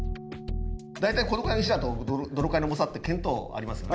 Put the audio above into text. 大体このくらいの石だとどのくらいの重さって見当ありますよね。